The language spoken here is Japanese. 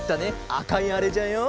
あかいあれじゃよ。